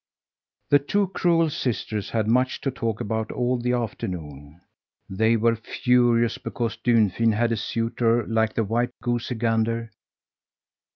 The two cruel sisters had much to talk about all the afternoon. They were furious because Dunfin had a suitor like the white goosey gander.